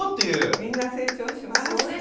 みんな成長します。